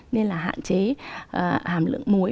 nên là hạn chế hàm lượng muối